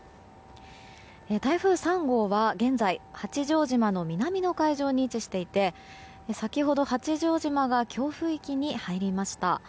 台風３号は現在八丈島の南の海上に位置していて先ほど八丈島が強風域に入りました。